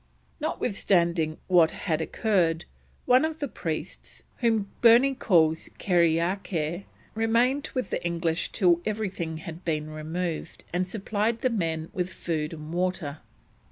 Notwithstanding what had occurred, one of the priests, whom Burney calls Kerriakair, remained with the English till everything had been removed, and supplied the men with food and water.